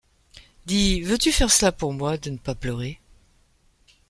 Dis, veux-tu faire cela pour moi de ne pas pleurer ?